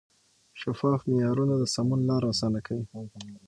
شفاف معیارونه د سمون لار اسانه کوي.